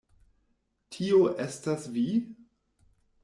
Tio estas vi?